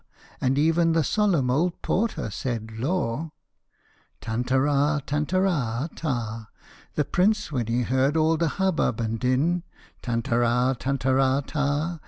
And even the solemn old porter said, " Lor !" Tantara tantara ta ! The Prince, when he heard all the hubbub and din, Tantara tantara ta !